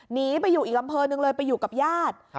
หนีไปอยู่อีกอำเภอหนึ่งเลยไปอยู่กับญาติ